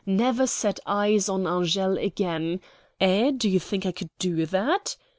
Never set eyes on Angele again!' Eh, do you think I could do that?"